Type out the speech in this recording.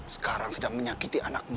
sekarang sedang menyakiti anakmu